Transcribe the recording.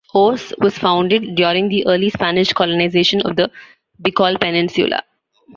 Oas was founded during the early Spanish colonization of the Bicol Peninsula.